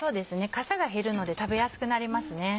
かさが減るので食べやすくなりますね。